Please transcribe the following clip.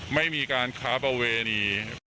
ไม่มีการค้าประเวณี